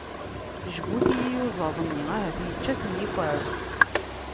Jbut i iyuzaḍ-nni, ahat yečča-ten yikεeb!